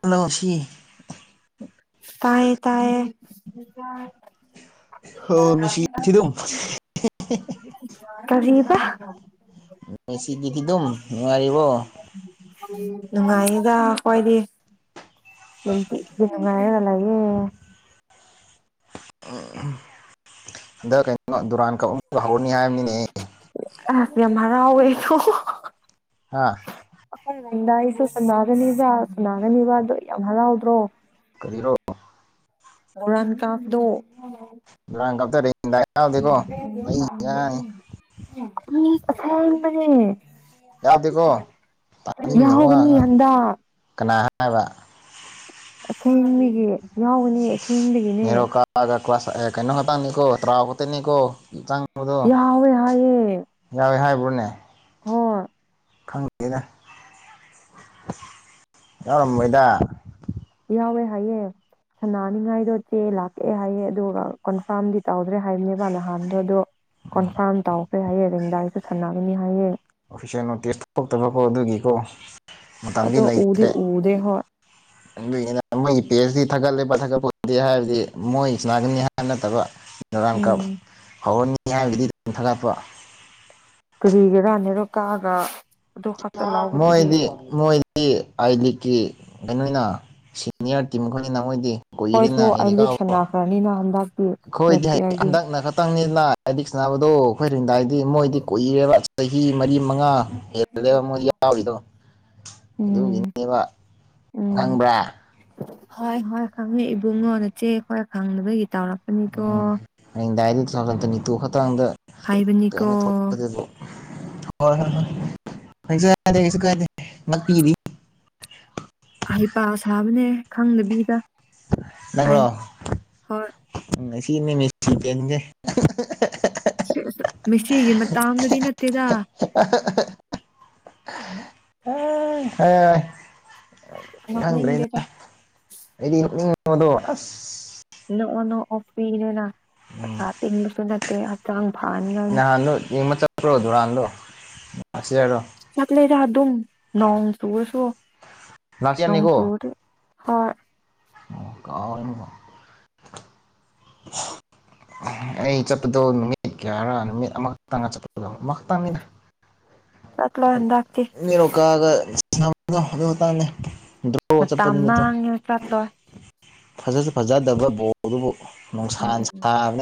hello ꯁꯤ ꯇꯌꯦ ꯇꯥꯏꯌꯦ ꯍꯣ ꯃꯦꯁꯤ ꯊꯤꯗꯨꯝ ꯀꯖꯤꯕ ꯃꯦꯁꯤꯤꯒꯤꯊꯤꯗꯨꯝ ꯅꯔꯔꯤꯕ ꯅꯨꯡꯉꯥꯏꯌꯦꯗ ꯑꯩꯣꯏꯗꯤ ꯏ ꯉꯒ ꯂꯌꯦ ꯗ ꯀꯩꯅꯣ ꯗꯔꯥꯟ ꯀ ꯎꯃ ꯍ ꯍꯥꯏꯝꯅꯦ ꯍ ꯑꯣꯏꯋꯦꯣ ꯑꯥ ꯑꯩꯈꯣꯏ ꯅꯪꯗ ꯑꯩꯁꯨ ꯁꯅꯥꯒꯅꯤꯕ ꯁꯅꯥꯒꯅꯤꯕ ꯑꯗꯨꯣ ꯌꯥꯝ ꯍꯔꯥꯎꯗ꯭ꯔꯣ ꯀꯔꯤꯔꯣ ꯃꯔꯥꯟ ꯀꯥꯞꯗ ꯀꯗꯔ ꯃꯅꯦ ꯌꯥꯎꯗꯦꯀꯣ ꯇꯥꯅꯤꯡꯉꯕ ꯌꯥꯎꯒꯅꯤ ꯍꯟꯗꯛ ꯀꯅꯥ ꯍꯥꯏꯕ ꯑꯁꯦꯡꯦꯡꯕꯒꯤ ꯌꯥꯎꯒꯅꯤ ꯑꯁꯦꯡꯦꯡꯕꯒꯤꯅꯦ ꯀ ꯀꯩꯅꯣꯍ ꯇꯪꯅꯤꯀꯣ ꯇ꯭ꯔꯥꯎ ꯀꯅꯤꯀꯣ ꯃꯗꯣ ꯌꯥꯎꯋꯦ ꯍꯥꯏꯌꯦ ꯌꯥꯋꯦ ꯍꯥꯏꯕ꯭ꯔꯣꯅꯦ ꯍꯣꯏ ꯈꯪꯗꯦꯅꯦ ꯌꯥꯎꯔꯃꯩꯗ ꯦ ꯍꯥꯏꯌꯦ ꯁꯥꯟꯅꯅꯤꯡꯉꯥꯏꯗꯣꯆꯦ ꯂꯥꯛꯀꯑꯦ ꯍꯥꯏꯌꯦꯦ ꯑꯗꯨꯒ ꯀꯟꯐꯥꯔꯝꯗꯤ ꯇꯧꯗ꯭ꯔꯦ ꯍꯥꯏꯕꯅꯦꯕ ꯅꯍꯥꯟꯗꯣ ꯑꯗꯣ ꯀꯣꯟꯐꯥꯔꯝ ꯇꯧꯈ꯭ꯔꯦ ꯍꯥꯏꯌꯦꯦ ꯔꯦꯡꯗꯥꯏꯁꯨ ꯁꯥꯟꯅꯒꯅꯤ ꯍꯥꯏꯌꯦꯦ ꯄꯩꯁꯦ ꯅꯣꯇꯤꯁ ꯊꯣꯛꯇꯕꯀꯣ ꯑꯗꯨꯒꯤꯀꯣ ꯃꯇꯝꯗꯤ ꯑꯗꯣ ꯎꯗꯤ ꯂꯩꯇ꯭ꯔꯦ ꯎꯗꯦ ꯍꯣꯏ ꯄꯤ ꯑꯩꯆ ꯗꯤ ꯊꯥꯒꯠꯂꯦꯕ ꯊꯥꯒꯠꯄ ꯑꯣꯏꯗꯦ ꯍꯥꯏꯕꯗꯤ ꯃꯣꯏ ꯏꯁꯅꯥꯒꯅꯤ ꯍꯥꯏ ꯅꯠꯇꯕ ꯔꯥꯡ ꯀꯞ ꯎꯝ ꯍꯧꯔꯟꯅꯤ ꯍꯥꯏꯔꯒꯗꯤ ꯐꯒꯠꯄ ꯇꯔꯤꯒꯔꯅꯦꯅꯤꯔꯣ ꯀꯥꯒ ꯃꯣꯏꯣꯏꯗꯤ ꯃꯣꯏꯗꯤ ꯑꯗꯤ ꯀ ꯀꯩꯅꯣ ꯑꯣꯏꯅ ꯁꯤꯅꯤꯌꯔ ꯇꯤꯝ ꯈꯣꯏꯅ ꯅ ꯃꯣꯏꯗꯤ ꯍꯣꯏꯁꯨ ꯑꯩ ꯂꯦꯛ ꯁꯟꯅꯈ꯭ꯔꯅꯤꯅ ꯍꯟꯗꯛ ꯍꯣꯏꯗꯤ ꯍꯟꯗꯛꯅ ꯈꯛꯇꯪꯅꯤ ꯗꯤ ꯁꯥꯟꯅꯕꯗꯣ ꯑꯩꯈꯣꯏꯔꯤꯦꯡꯗꯥꯏꯗꯤ ꯃꯣꯏꯗꯤ ꯀꯨꯏꯔꯦꯕ ꯆꯍꯤ ꯃꯔꯤ ꯃꯉꯥ ꯍꯦꯜꯂꯦꯕ ꯑꯃꯨꯛ ꯌꯥꯎꯔꯤꯗꯣ ꯎꯝ ꯑꯗꯨꯒꯤꯅꯦꯕ ꯎꯝ ꯈꯪꯕ꯭ꯔꯥ ꯍꯣꯏ ꯍꯣꯏ ꯈꯪꯉꯦ ꯏꯕꯨꯡꯉꯣ ꯅꯆꯦ ꯍꯣꯏ ꯈꯪꯗꯅꯕꯒꯤ ꯇꯧꯔꯛꯄꯅꯤꯀꯣ ꯆꯥ ꯂꯟꯇꯅꯤꯇꯨ ꯈꯨꯥꯡꯗ ꯍꯥꯏꯕꯅꯤꯀꯣ ꯀꯅ ꯊꯣꯛꯂꯛꯄꯗꯦꯗꯣ ꯍꯣꯏ ꯍꯣꯏ ꯍꯣꯏ ꯀꯩꯁꯨ ꯀꯥꯏꯗꯦ ꯀꯩꯁꯨ ꯀꯥꯏꯗꯦ ꯉꯄꯤꯤꯔꯤ [unintelligible] ꯑꯍꯩ ꯄ ꯁꯥꯕꯅꯦ ꯈꯪꯗꯕꯤꯗ ꯅꯪ꯭ꯔꯣ ꯑꯩ ꯍꯣꯏ ꯎ ꯁꯤꯅꯦ ꯄꯦꯟꯁꯦ ꯃꯦꯁꯤꯒꯤ ꯃ ꯑꯪꯗꯤ ꯅꯠꯇꯦꯗ [unintelligible] ꯑꯥ ꯈꯪꯗ꯭ꯔꯦꯅ ꯅꯣꯛꯅꯤꯡꯗꯦꯗ ꯑꯩꯗꯤ ꯅꯣꯛꯅꯤꯡ ꯃꯗꯣ ꯑꯁ ꯅꯣꯛꯑꯣ ꯅꯣꯛꯑꯣ ꯐ꯭ꯔꯤꯅꯤꯅ ꯄꯩꯁꯥ ꯇꯤꯡꯕꯁꯨ ꯅꯠꯇꯦ ꯍꯛꯆꯥꯡ ꯐꯍꯟꯒꯅꯤ ꯅꯍꯥꯟꯗꯨ ꯌꯦꯡꯕ ꯆꯠꯄ꯭ꯔꯣ ꯗꯨꯔꯟꯗꯨ ꯆꯠꯂꯦꯗ ꯑꯗꯨꯝ ꯅꯣꯡ ꯆꯨꯔꯁꯨ ꯂꯥꯁ ꯅꯣꯡ ꯆꯨꯔꯗꯤ ꯍꯣꯏ ꯀꯥꯎꯔꯦꯅꯦꯀꯣ ꯑꯩ ꯆꯠꯄꯗꯣ ꯅꯨꯃꯤꯠ ꯀꯌꯥꯔꯥ ꯅꯨꯃꯤꯠ ꯑꯃꯈꯛꯇꯪꯑ ꯆꯠꯄꯗꯣ ꯑꯃꯈꯛꯇꯪꯅꯤꯗ ꯆꯠꯂꯣꯏ ꯑ ꯍꯟꯗꯛꯇꯤ ꯅꯦꯔꯣꯀꯥꯒ ꯁꯥꯅꯕꯗꯨ ꯑꯗꯨ ꯃꯇꯥꯡꯅꯦ ꯗ꯭꯭ꯔꯣ ꯆꯠꯄꯗꯨ ꯃꯇꯝ ꯅꯨꯃꯤꯠꯇꯣ ꯃꯥꯡꯉꯦ ꯆꯠꯂꯣꯏ ꯐꯖꯁꯨ ꯐꯖꯗꯕ ꯕꯣꯟꯗꯨꯕꯨ ꯅꯨꯡꯁꯥꯅ ꯁꯥꯕ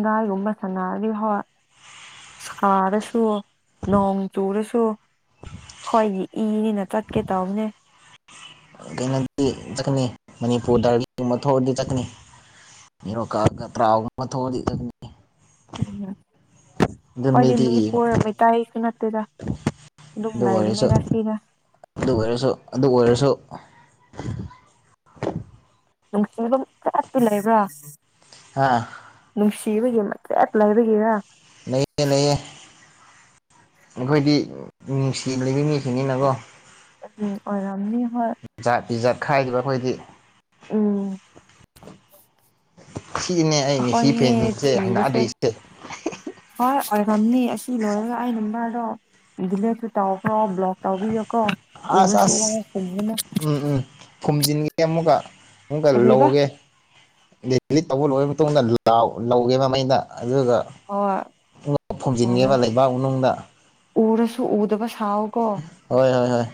ꯪꯒꯥꯏꯒꯨꯝꯕ ꯁꯥꯟꯅꯔꯗꯤ ꯍꯣꯏ ꯁꯥꯥꯔꯁꯨ ꯅꯣꯡ ꯆꯨꯔꯁꯨ ꯑꯈꯣꯏꯒꯤ ꯏꯅꯤꯅ ꯆꯠꯀꯦ ꯇꯧꯕꯅꯦ ꯀꯩꯅꯣꯗꯤ ꯆꯠꯀꯅꯤ ꯃꯅꯤꯄꯨꯔꯗ [unintelligible] ꯊꯣꯛꯑꯗꯤ ꯆꯠꯅꯤ ꯅꯦꯔꯣꯀꯥꯒ ꯇ꯭ꯔꯥꯎꯒꯨꯝꯕ ꯊꯣꯛꯑꯗꯤ ꯆꯠꯀꯅꯤ [unintelligible] ꯈꯣꯏꯗꯤ ꯃꯤꯗꯤ ꯃꯅꯤꯄꯨꯔ ꯌꯦꯡꯕ ꯃꯩꯇꯩꯁꯨ ꯅꯠ ꯑꯗꯨ ꯑꯣꯏꯔꯁꯨ ꯁꯤꯅ ꯑꯗꯨ ꯑꯣꯏꯔꯁꯨ ꯑꯗꯨ ꯑꯣꯏꯔꯁꯨ [inaudible] ꯅꯨꯡꯁꯤꯕ [unintelligible] ꯂꯩꯕ꯭ꯔꯥ ꯑ ꯁꯤꯕꯒꯤ ꯃꯆꯦꯠ ꯂꯩꯕꯒꯤꯔ ꯅꯩꯌꯦ ꯅꯩꯌꯦ ꯑꯈꯣꯏꯗꯤ ꯃꯤꯅꯨꯡꯁꯤꯂꯩꯕ ꯃꯤꯁꯤꯡꯅꯤꯅꯀꯣ ꯎꯝ ꯑꯣꯏꯔꯝꯅꯤ ꯍꯣꯏ ꯈꯥꯏꯔꯤꯕ ꯑꯩꯈꯣꯏꯗꯤ ꯎꯝ ꯁꯤꯅꯦ ꯑꯩꯅꯦ ꯁꯤ ꯑꯩꯈꯣꯏꯅꯦ ꯐꯦꯟꯁꯤꯡꯁꯦ ꯍꯩꯅꯗ꯭ꯔꯤꯁꯦ ꯑꯣꯝꯅꯤ ꯑꯁꯤ ꯂꯣꯏꯔꯒ ꯑꯩꯅ ꯃꯥꯗꯣ ꯕꯨꯂꯦꯠꯇꯨ ꯇꯧꯈ꯭ꯔꯣ ꯂꯣꯛ ꯇꯧꯕꯤꯌꯨꯀꯣ ꯑꯁ ꯑꯁ [unintelligible] ꯎꯝ ꯎꯝ ꯐꯨꯝꯖꯤꯟꯒꯦ ꯑꯃꯨꯛꯀ ꯑꯃꯨꯛꯀ ꯂꯧꯒꯦ ꯗꯦꯂꯤꯠ ꯇꯧꯕ ꯂꯣꯏꯔꯕ ꯃꯇꯨꯡꯗ ꯂꯥꯎ ꯂꯧꯒꯦꯕ ꯃꯩꯗ ꯑꯗꯨꯒ ꯍꯣꯏ ꯄꯨꯂꯞ ꯇꯧꯋꯣ ꯐꯨꯝꯖꯤꯟꯒꯦꯕ ꯂꯩꯕꯥꯛ ꯃꯅꯨꯡꯗ ꯎꯔꯁꯨ ꯎꯗꯕ ꯁꯥꯎꯀꯣ ꯍꯣꯏ ꯍꯣꯏ ꯍꯣꯏ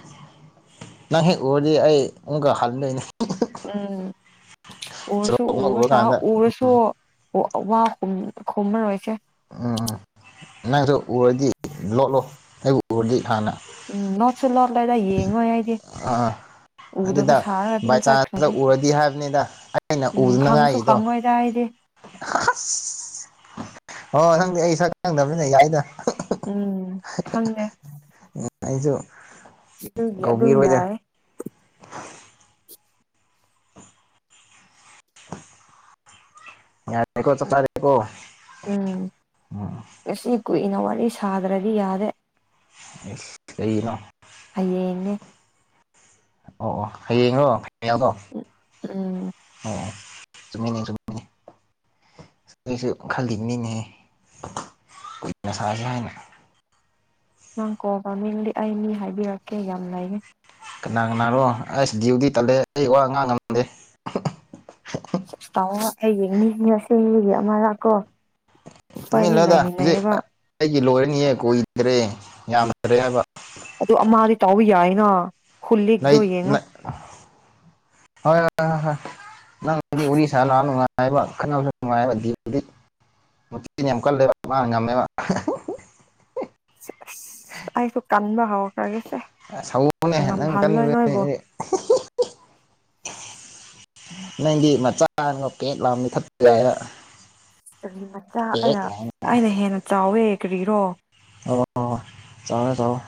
ꯅꯪ ꯍꯦꯛ ꯎꯔꯗꯤ ꯑꯩ ꯑꯃꯨꯛꯀ ꯍꯜꯗꯣꯏꯅꯤ ꯎꯝ ꯎꯔꯁꯨ ꯁꯣꯔꯣꯛ ꯑꯃ ꯎꯕ ꯁꯥꯎ ꯎꯔꯀꯥꯟꯗ ꯎꯔꯁꯨ ꯋꯥ ꯋꯥ ꯈꯨꯝꯃꯔꯣꯏꯁꯦ ꯎꯝ ꯅꯪꯁꯨ ꯎꯔꯗꯤ ꯂꯣꯠꯂꯣ ꯑꯩꯕꯨ ꯎꯔꯗꯤ ꯍꯥꯟꯅ ꯎꯝ [unintelligible] ꯂꯩꯔ ꯌꯦꯡꯉꯣꯏ ꯑꯩꯗꯤ ꯑꯥ ꯎꯗꯕ ꯑꯗꯨꯗ ꯁꯥꯔꯒ ꯑꯗꯨꯝ ꯕꯥꯏ ꯆꯥꯟꯁꯇ ꯆꯠꯈ꯭ꯔꯅꯤ ꯎꯔꯗꯤ ꯍꯥꯏꯕꯅꯤꯗ ꯑꯩꯅ ꯎꯝ ꯈꯪꯁꯨ ꯎꯗꯨꯅꯉꯥꯏꯒꯤꯗꯣ ꯈꯪꯉꯣꯏꯗ ꯑꯩꯗꯤ ꯑꯁ ꯑꯣ ꯅꯪꯗꯤ ꯑꯩ ꯁꯛ ꯈꯪꯗꯕꯅꯤꯅ ꯌꯥꯏꯗ ꯎꯝ ꯐꯪꯉꯦ ꯑꯩꯁꯨ ꯑꯗꯨꯒꯤ ꯑꯗꯨꯝ ꯀꯧꯕꯤꯔꯣꯏꯗ ꯌꯥꯏꯌꯦ [inaudible] ꯌꯥꯔꯦꯀꯣ ꯆꯞꯆꯥꯔꯦꯀꯣ ꯎꯝ ꯉꯁꯤ ꯀꯨꯏꯅ ꯋꯥꯔꯤ ꯁꯥꯗ꯭ꯔꯗꯤ ꯌꯥꯔꯦ ꯍꯩꯁ ꯀꯔꯤꯅꯣ ꯍꯌꯦꯡꯅꯦ ꯑꯣ ꯑꯣ ꯍꯌꯦꯔꯣ [unintelligible] ꯑꯣ ꯎꯝ ꯑꯣ ꯆꯨꯝꯃꯤꯅꯦ ꯆꯨꯝꯃꯤꯅꯦ ꯁꯤꯁꯨ ꯈꯜꯂꯤꯅꯤꯅꯦ ꯀꯅꯁꯥꯥꯁ ꯍꯥꯏꯅ ꯅꯪ ꯀꯣꯕꯃꯤꯡꯗꯤ ꯑꯩ ꯃꯤ ꯍꯥꯏꯕꯤꯔꯛꯀꯦ ꯌꯥꯝ ꯂꯩꯌꯦ ꯀꯅꯥ ꯀꯅꯥꯅꯣ ꯑꯁ ꯗ꯭ꯌꯨꯇꯤ ꯇꯠꯂꯦ ꯑꯩ ꯋꯥ ꯉꯥꯡ ꯉꯝꯗꯦ ꯑꯩ ꯌꯦꯡꯅꯤꯅꯦꯁ ꯌꯦ ꯑꯃ ꯂꯥꯛꯀꯣ ꯇꯨꯃꯤꯟꯅꯗ ꯍꯧꯖꯤꯛ ꯑꯩꯒꯤ ꯂꯣꯏꯔꯅꯤꯌꯦ ꯀꯨꯏꯗ꯭ꯔꯦ ꯌꯥꯝꯗ꯭ꯔꯦ ꯍꯥꯏꯕ ꯑꯗꯨ ꯑꯃꯗꯤ ꯇꯥꯎꯕ ꯌꯥꯏꯅ ꯈꯨꯜꯂꯤꯗꯣ ꯂꯩ ꯌꯦꯡꯉꯣ ꯂꯩ [unintelligible] ꯅꯨꯡꯉꯥꯏꯕ ꯈꯠꯅꯕꯁꯨ ꯅꯨꯡꯉꯥꯏꯕ ꯗꯤ ꯃꯆꯦꯝ ꯀꯥꯟꯂꯦꯕ ꯉꯝꯃꯦꯃ ꯑꯩꯁꯨ ꯀꯥꯟꯕ ꯍꯕꯔꯒꯦꯁꯦ [unintelligible] ꯅꯪꯗꯤ ꯃꯆꯥ ꯀꯦ ꯂꯥꯃꯤ ꯈ ꯀꯔꯤ ꯃꯆꯥ ꯑꯔ ꯑꯩꯅ ꯍꯦꯟꯅ ꯆꯥꯎꯋꯦ ꯀꯔꯤꯔꯣ ꯑꯣ ꯆꯥꯎꯂꯦ ꯆꯂꯣ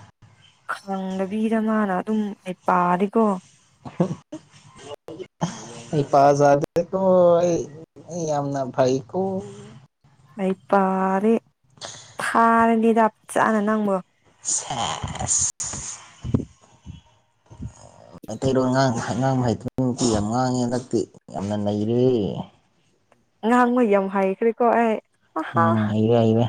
ꯈꯪꯗꯕꯤꯗ ꯃꯥꯅ ꯑꯗꯨꯝ ꯍꯩꯄꯥꯗꯤ ꯀꯣ [unintelligible] ꯍꯩꯄꯥ ꯖꯥꯗꯦꯀꯣ ꯑꯩ ꯌꯥꯝꯅ ꯐꯩꯀꯣ ꯑꯩꯄꯥꯗꯤ ꯊꯥꯔꯗꯤꯗ ꯐꯖꯟꯅ ꯅꯪꯕꯨ ꯁꯦꯁ ꯃꯩꯇꯩꯔꯣꯟ ꯉꯥꯡ ꯉꯥꯡꯕ ꯍꯩꯇꯕ ꯌꯥꯝ ꯉꯥꯡꯉꯦ ꯍꯟꯗꯛꯇꯤ ꯌꯥꯝꯅ ꯅꯩꯔꯦ ꯉꯍꯥꯡꯕ ꯌꯥꯝ ꯍꯩꯈ꯭ꯔꯦꯀꯣ ꯑꯩ ꯎꯝ ꯍꯩꯔꯦ ꯍꯩꯔꯦ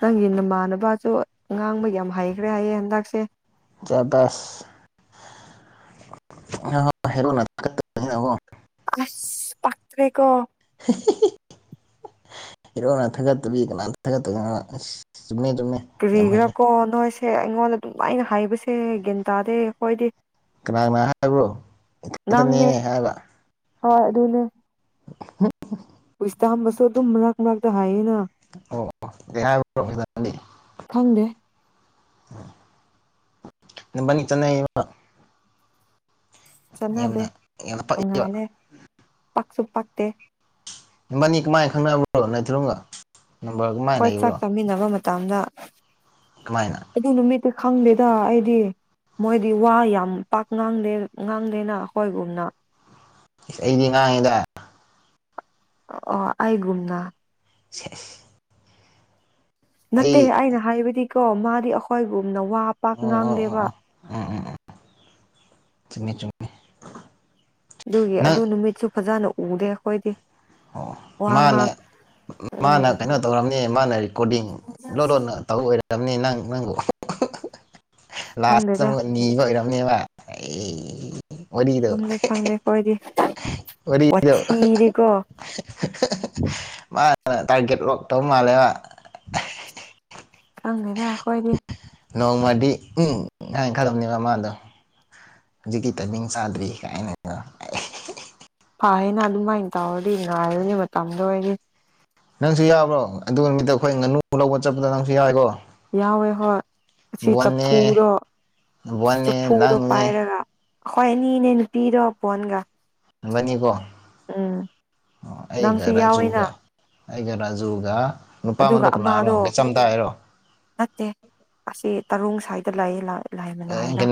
ꯅꯪꯒꯤ ꯅꯃꯥꯟ ꯁꯅꯕꯁꯨ ꯉꯥꯡꯕ ꯌꯥꯝ ꯍꯩꯒ꯭ꯔꯦ ꯍꯥꯏꯌꯦ ꯍꯟꯗꯛꯁꯦ [unintelligible] [unintelligible] ꯑꯁ ꯄꯥꯛꯇ꯭ꯔꯦ ꯀꯣ ꯍꯤꯔꯣꯅ ꯊꯥꯒꯠꯇꯕꯤ ꯀꯅꯥ ꯊꯥꯒꯠꯇꯣꯢꯅꯣ ꯀꯔꯤꯒꯤꯔꯥꯀꯣ ꯅꯣꯏꯁꯦ ꯑꯩꯉꯣꯟꯗ ꯑꯗꯨꯃꯥꯢꯅ ꯍꯥꯏꯕꯁꯦ ꯒꯤꯟ ꯇꯥꯗꯦ ꯑꯩꯈꯣꯏꯗꯤ ꯀꯅꯥ ꯀꯅꯥ ꯍꯥꯏꯕ꯭ꯔꯣ ꯏꯊꯟꯇꯅꯦ ꯍꯥꯏꯔ ꯍꯣꯢ ꯑꯗꯨꯅꯦ [unintelligible] ꯕꯨꯁꯨ ꯑꯗꯨꯝ ꯃꯔꯛ ꯃꯔꯛꯇ ꯍꯥꯏꯌꯦꯅ [unintelligible] ꯈꯪꯗꯦ ꯅꯕꯅꯤ ꯆꯟꯅꯩꯕ ꯆꯠꯅꯗꯦ ꯌꯥꯝꯅ ꯄꯛꯏꯕ ꯇꯣꯡꯉꯥꯜꯂꯦ ꯄꯛꯁꯨ ꯄꯛꯇꯦ ꯅꯕꯥꯅꯤ ꯀꯃꯥꯏ ꯈꯪꯅꯔꯕ꯭ꯔꯣ [unintelligible] ꯑꯩꯈꯣꯏ ꯆꯥꯛ ꯆꯥꯃꯤꯟꯅꯕ ꯃꯇꯝꯗ ꯀꯃꯥꯏꯅ ꯑꯗꯨ ꯅꯨꯃꯤꯠꯇ ꯈꯪꯗꯦꯗ ꯑꯩꯗꯤ ꯃꯣꯏꯗꯤ ꯋꯥ ꯌꯥꯝ ꯄꯥꯛ ꯉꯥꯡꯗꯦ ꯉꯥꯡꯗꯦꯅ ꯑꯩꯈꯣꯏꯒꯨꯝꯅ ꯢꯁ ꯑꯩꯗꯤ ꯉꯥꯡꯉꯤꯗꯥ ꯑꯣ ꯑꯩꯒꯨꯅ ꯁꯦꯁ ꯅꯠꯇꯦ ꯑꯩ ꯑꯩꯅ ꯍꯥꯏꯕꯗꯤꯀꯣ ꯃꯥꯗꯤ ꯑꯩꯈꯣꯏꯒꯨꯝꯅ ꯋꯥ ꯄꯥꯛ ꯑꯣ ꯑꯣ ꯑꯣ ꯉꯥꯡꯗꯦꯕ ꯑꯣ ꯎꯝ ꯎꯝ ꯎꯝ ꯆꯨꯝꯃꯦ ꯆꯨꯝꯃꯦ ꯑꯗꯨꯒꯤ ꯑꯗꯨ ꯅꯪ ꯅꯨꯃꯤꯠꯁꯨ ꯐꯖꯅ ꯎꯗꯦ ꯑꯩꯈꯣꯏꯗꯤ ꯑꯣ ꯋꯥ ꯃꯥꯅ ꯉꯥꯡ ꯃꯥꯅ ꯎꯝ ꯀꯩꯅꯣ ꯇꯧꯔꯝꯅꯦ ꯃꯥꯅ ꯀꯣꯔꯗꯤꯡ ꯂꯣꯟꯂꯣꯟꯣꯟꯅ ꯇꯧ ꯑꯣꯏꯔꯕꯅꯤ ꯅꯪ ꯅꯪꯕꯨ ꯂꯥꯁꯇ ꯈꯪꯗꯦꯗ ꯑꯃꯨꯛ ꯅꯤꯕ ꯑꯣꯏꯔꯝꯅꯦꯕ ꯑꯦ ꯑꯣꯏ ꯀꯤꯗꯣ ꯈꯪꯗꯦ ꯈꯪꯗꯦ ꯑꯩꯈꯣꯏꯗꯤ ꯑꯣꯏ ꯀꯤꯗꯣ ꯋꯥꯊꯤꯗꯤꯀꯣ ꯃꯥ ꯇꯥꯔꯒꯦꯠ ꯂꯣꯛꯇꯧ ꯃꯥꯜꯂꯦꯕ ꯀꯪ ꯂꯩꯗ ꯑꯩꯣꯏꯗꯤ ꯅꯣꯡꯃꯗꯤ ꯍꯥꯏꯅꯈꯗꯕꯅꯦꯕ ꯃꯥꯗꯣ ꯍꯧꯖꯤꯛꯀꯤ ꯇꯥꯏꯃꯤꯡ ꯆꯥꯗ꯭ꯔꯤ ꯀꯥꯏꯅ ꯐ ꯍꯥꯏꯅ ꯑꯗꯨꯃꯥꯏꯅ ꯇꯧꯔꯗꯤ ꯉꯥꯏꯔꯅꯤ ꯃꯇꯝꯗꯣ ꯑꯣꯏꯗꯤ ꯅꯪꯁꯨ ꯌꯥꯕ꯭ꯔꯣ ꯑꯗꯨ ꯅꯨꯃꯤꯠꯇ ꯑꯩꯈꯣꯏ ꯉꯥꯅꯨ ꯂꯧꯕ ꯆꯠꯄꯗ ꯅꯪꯁꯨ ꯌꯥꯏꯀꯣ ꯌꯥꯎꯋꯦ ꯍꯣꯏ ꯁꯤ ꯕꯣꯟꯅꯦ ꯆꯐꯨꯗꯣ ꯕꯣꯟꯅꯦ ꯆꯐꯨꯗꯣ ꯅꯪꯅꯦ ꯄꯥꯏꯔꯒ ꯑꯩꯈꯣꯏ ꯑꯅꯤꯅꯦ ꯅꯨꯄꯤꯗꯣ ꯄꯣꯟꯣꯟꯒ ꯕꯅꯤꯀꯣ ꯎꯝ ꯅꯪꯁꯨ ꯌꯥꯎꯏꯦꯅ ꯔꯥꯖꯨꯒ ꯑꯩꯒ ꯔꯥꯖꯨꯒ ꯅꯨꯄꯥ ꯑꯃꯗꯨ ꯑꯃꯗꯣ ꯅꯥꯔꯣꯒ ꯆꯝꯗꯥ ꯍꯥꯏꯔꯣ ꯅꯠꯇꯦ ꯑꯁꯤ ꯑꯁꯤ ꯇꯔꯨ ꯁ꯭ꯋꯥꯏꯗ ꯂꯥꯛꯑ ꯑꯦ ꯂꯥꯏꯃꯅꯥꯏꯔ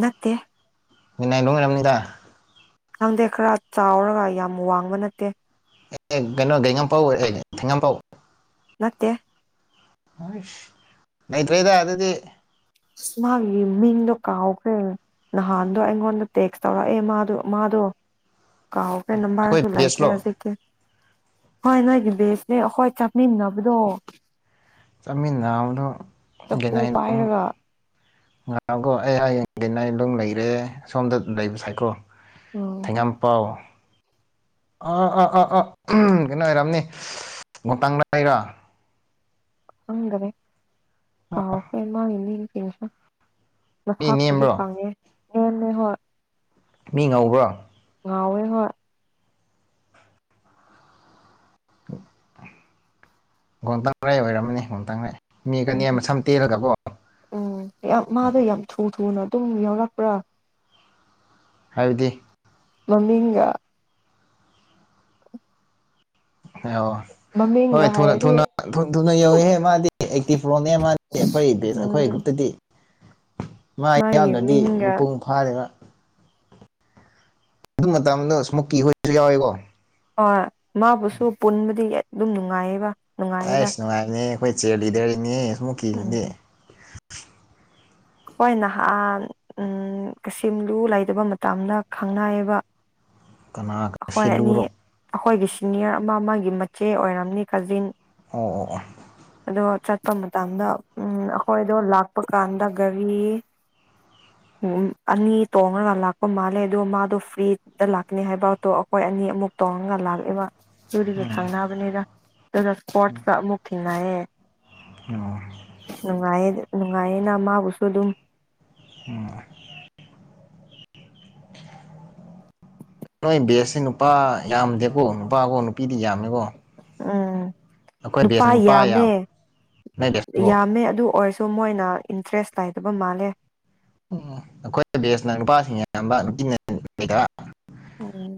ꯅꯠꯇꯦ ꯃꯤꯥꯏ ꯅꯣꯡꯉ ꯌꯥꯝꯃꯤꯗ ꯈꯪꯗꯦ ꯈꯔ ꯆꯥꯎꯔꯒ ꯌꯥꯝ ꯋꯥꯡꯕ ꯅꯠꯇꯦ ꯑꯦ ꯀꯩꯅꯣ ꯀꯩꯉꯄꯥꯎ ꯑꯦ ꯊꯦꯡꯉꯝꯄꯥꯎ ꯃꯠꯇꯦ ꯂꯩꯇ꯭ꯔꯩꯗ ꯑꯗꯨꯗꯤ ꯁ ꯃꯥꯒꯤ ꯃꯤꯗ ꯀꯥꯎꯒꯦ ꯅꯍꯥꯟꯗꯣ ꯑꯩꯉꯣꯟꯗ ꯇꯦꯛꯁ ꯇꯧꯔꯛꯑꯦ ꯃꯥꯗꯣ ꯃꯥꯗꯣ ꯀꯥꯣ ꯐ ꯑꯩꯈꯣꯏ ꯅꯝꯕꯔꯁꯨꯨꯂ ꯏꯇꯔꯦ ꯕꯦꯁꯂꯣ ꯁꯤꯀꯦ ꯍꯣꯏ ꯅꯣꯏꯒꯤ ꯕꯦꯁꯅꯦ ꯍꯈꯣꯏ ꯆꯥꯃꯤꯟꯅꯕꯗꯣ ꯃꯤ ꯅꯎꯅ ꯇ ꯐꯨ ꯄꯑꯒ ꯉꯥꯏꯍꯥꯛꯀꯣ ꯑꯩ ꯍꯌꯦꯡ ꯀꯩꯅ ꯑꯗꯨꯝ ꯂꯩꯔꯦ ꯁꯣꯝꯗ ꯂꯩꯕ ꯁ ꯍꯥꯏꯀ꯭ꯔꯣ ꯎꯝ ꯊꯦꯉꯝ ꯄꯥꯎ ꯑ ꯑꯥ ꯑꯥ ꯑꯥ ꯀꯩꯅꯣ ꯑꯣꯏꯔꯝꯅꯤ ꯇꯥꯡꯗꯏꯔꯣ ꯑꯉꯅꯦꯦ ꯀꯥꯎ ꯐꯦꯃ ꯏꯅꯤ ꯀꯁ ꯃꯤ ꯃꯊꯄꯨꯗꯤ ꯅꯦꯝꯕ꯭ꯔꯣ ꯈꯪꯉꯦ ꯅꯅꯦ ꯍꯣꯏ ꯃꯤ ꯉꯧꯕ꯭ꯔꯥ ꯥꯎꯋꯦ ꯍ ꯍ ꯒꯣꯝꯇꯪꯔꯩ ꯑꯣꯏꯔꯝꯅꯤ ꯒꯝꯇꯪꯈꯩ ꯎꯝ ꯎꯝ ꯌꯥꯝ ꯃꯥꯗ ꯌꯥꯝ ꯊꯨ ꯊꯨꯅ ꯇꯨꯡ ꯌꯥꯎꯔꯛꯄ꯭ꯔꯥ ꯍꯥꯏꯕꯗꯤ ꯃꯃꯤꯒ ꯑꯣ ꯃꯃꯤꯡꯒ ꯍꯣꯏ ꯊꯅ ꯍꯥꯏꯔꯗꯤ ꯊꯨꯅ ꯊꯨꯅ ꯌꯧꯋꯦꯍꯦ ꯃꯥꯗꯤ ꯑꯦꯛꯇꯤ ꯐ꯭ꯔꯣꯟꯅꯦ ꯃꯥꯗꯤ ꯑꯩꯈꯣꯏ ꯕꯦꯁ ꯑꯩꯈꯣꯏ ꯎꯝ ꯒ꯭ꯔꯨꯞꯇꯗꯤ ꯃꯥꯒꯤ ꯃꯥꯌꯥꯝꯗ꯭ꯔꯗꯤ ꯃꯤꯡꯒ ꯃꯄꯨꯡ ꯐꯥꯔꯒ ꯑꯗꯨ ꯃꯇꯝꯗꯣ ꯏꯁꯃꯨꯛꯀꯤ ꯍꯣꯏꯁꯨ ꯌꯥꯎꯋꯦꯀꯣ ꯑ ꯃꯥꯕꯨꯁꯨ ꯄꯨꯟꯕꯗꯤ ꯑꯗꯨꯝ ꯅꯨꯡꯉꯥꯏꯌꯦꯕ ꯅꯨꯡꯉꯥꯏꯌꯦꯗ ꯑꯩꯁ ꯅꯨꯡꯉꯥꯏꯅꯦ ꯑꯩꯈꯣꯏ ꯆꯦꯜꯂꯤꯗꯔꯤꯅꯦ ꯁꯃꯨꯀꯤꯅꯦ ꯎꯝ ꯍꯣꯏ ꯅꯍꯥꯟ ꯎ ꯀꯩꯁꯝꯂꯨ ꯂꯩꯇꯕ ꯃꯇꯝꯗ ꯈꯪꯅꯌꯦꯕ ꯀꯅꯥ ꯀꯅꯥ ꯁꯤꯜꯂꯨꯔꯣ ꯑꯩꯈꯣꯏꯒꯤ ꯁꯤꯅꯤꯌꯔ ꯑꯃ ꯑꯃꯒꯤ ꯃꯆꯦ ꯑꯣꯏꯔꯝꯅꯤ ꯀꯥꯖꯤꯟ ꯑꯣ ꯑꯣ ꯑꯣ ꯑꯗꯣ ꯆꯠꯄ ꯃꯇꯝꯗ ꯎꯝ ꯑꯩꯈꯣꯏꯗꯣ ꯂꯥꯛꯄ ꯀꯥꯟꯗ ꯒꯥꯔꯤ [unintelligible] ꯑꯅꯤ ꯇꯣꯡꯉꯒ ꯂꯥꯛꯄ ꯃꯥꯜꯂꯦ ꯑꯗꯨꯒꯣ ꯃꯥꯗꯣ ꯐ꯭ꯔꯤꯗ ꯂꯥꯛꯀꯅꯤ ꯍꯥꯏꯕꯗꯣ ꯑꯩꯈꯣꯏ ꯑꯅꯤ ꯑꯃꯨꯛ ꯇꯣꯡꯉꯒ ꯂꯥꯛꯑꯦꯕ ꯆꯨꯔꯤꯁꯦ ꯈꯪꯅꯕꯅꯤꯗ ꯑꯗꯨꯗ ꯏꯁꯄꯣꯔꯠꯁꯀ ꯑꯃꯨꯛ ꯊꯦꯡꯅꯌꯦ ꯑꯗꯨꯒ ꯅꯨꯡꯉꯥꯏꯌꯦꯅ ꯃꯥꯕꯨꯁꯨ ꯑꯗꯨꯝ ꯑꯣ ꯅꯣꯏ ꯕꯦꯁꯁꯦ ꯅꯨꯄꯥ ꯌꯥꯝꯗꯦꯀꯣ ꯅꯨꯄꯥꯒꯣ ꯅꯨꯄꯤꯗꯤ ꯌꯥꯝꯃꯦꯀꯣ ꯎꯝ ꯑꯩꯈꯣꯏ ꯅꯨꯄꯥ ꯕꯦꯁꯅ ꯌꯥꯝꯃꯦ ꯌꯥꯝ ꯅꯣꯏ ꯕꯦꯁꯇꯣ ꯌꯥꯝꯃꯦ ꯑꯗꯨ ꯑꯣꯏꯔꯁꯨ ꯑꯗꯨ ꯃꯣꯏꯅ ꯏꯟꯇꯔꯦꯁ ꯂꯩꯥꯏꯗꯕ ꯃꯥꯜꯂꯦ ꯎꯝ ꯑꯩꯈꯣꯏ ꯕꯦꯁꯅ ꯅꯨꯄꯥꯁꯤꯡ ꯑꯌꯥꯝꯕ ꯅꯨꯄꯤꯅꯗ ꯎꯝ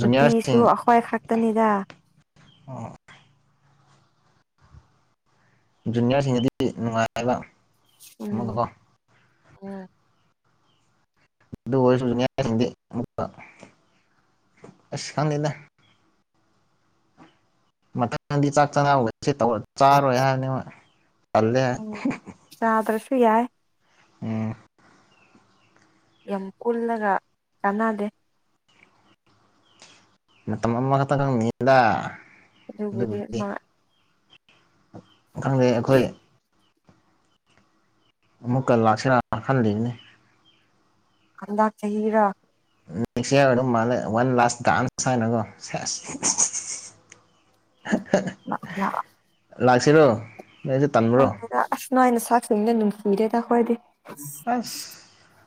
ꯅꯨꯄꯤꯁꯨ ꯑꯩꯈꯣꯏ ꯈꯛꯇꯅꯤꯗ ꯑꯣ ꯖꯨꯅꯤꯌꯔꯁꯤꯡꯗꯗꯤ ꯅꯨꯡꯉꯥꯏꯕ ꯎꯝ ꯑꯃꯒꯀꯣ ꯎꯝ ꯑꯗꯨ ꯁ ꯏꯁꯝꯂ ꯃꯊ ꯅꯗꯤ ꯆꯥꯛ ꯆꯅꯥ ꯑꯕꯒꯗ ꯁꯤ ꯆꯥꯔꯣꯏ ꯍꯥꯏꯕꯅꯤ ꯆꯜꯂꯦ ꯎꯝ ꯆꯥꯗ꯭ꯔꯁꯨ ꯌꯥꯏ ꯑꯣ ꯌꯥꯝ ꯄꯨꯜꯂꯒ ꯀꯥꯟꯅꯗꯦ ꯃꯇꯃ ꯈꯊꯪ ꯌꯦꯗꯥ ꯕꯨꯗꯤ ꯃꯥ ꯈꯪꯗꯩ ꯑꯩꯈꯣꯏ ꯑꯃꯨꯛꯀ ꯂꯥꯛꯁꯤꯔ ꯈꯜꯂꯤꯕꯅꯤ ꯀꯟꯗ ꯆꯍꯤꯔ ꯅꯦꯛꯁ ꯏꯌꯥꯔ ꯑꯗꯨꯝ ꯃꯥꯜꯂꯦ ꯋꯥꯟ ꯂꯥꯁ ꯗꯥꯟꯁ ꯍꯥꯏꯅꯀꯣ ꯁꯁ ꯑꯣ [unintelligible] ꯂꯥꯛꯁꯤꯔꯣ ꯅꯁꯦ ꯇꯟꯕ꯭ꯔꯣ ꯅꯥꯏꯩꯅ ꯆꯥꯛ ꯁꯅ ꯅꯨꯡꯁꯤꯔꯦ ꯇꯥꯈꯣꯏꯗꯤ ꯑꯁ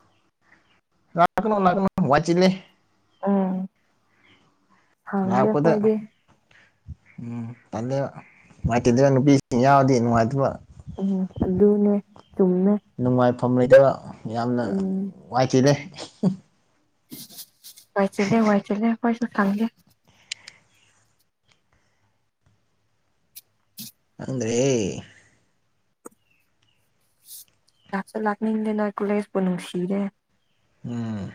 ꯂꯅꯥꯥꯛꯀꯅꯣ ꯂꯥꯛꯅꯣ ꯋꯥꯆꯂꯦ ꯎꯝ ꯊꯪꯒꯦ ꯂꯥꯛꯄꯗ ꯐꯣꯏꯗꯤꯦ ꯎꯝ ꯐꯗꯦꯕ ꯅꯨꯡꯉꯥꯏꯇꯗꯕ ꯅꯨꯄꯤꯁꯤꯡ ꯌꯥꯎꯔꯗꯤ ꯅꯨꯡꯉꯥꯏꯇꯕ ꯎꯝ ꯑꯗꯨ ꯑꯗꯨꯅꯦ ꯆꯨꯝꯃꯦ ꯐꯝꯂꯣꯏꯗꯕ ꯌꯥꯝꯅ ꯋꯥꯏꯈꯤꯦꯅꯦꯦ ꯋꯥꯏꯆꯤꯂꯦ ꯋꯥꯏꯆꯂꯦ ꯀꯣꯏꯁꯨ ꯊꯥꯡꯒꯦ ꯑꯗ꯭ꯔꯦ ꯂꯥꯛꯆ ꯂꯥꯛꯅꯤꯡꯗꯦ ꯅꯣꯏ ꯀꯂꯦꯖꯄ ꯅꯨꯡꯁꯤꯔꯦ ꯑ